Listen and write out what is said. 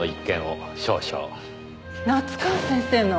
夏河先生の？